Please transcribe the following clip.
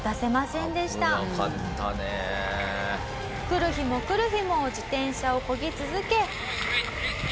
来る日も来る日も自転車をこぎ続け。